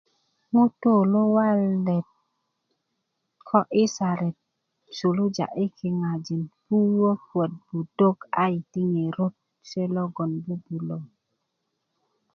ŋutu luwalet ko i saret suluja i kiŋajin puök wot budok a yiti ŋerot se logon bubulö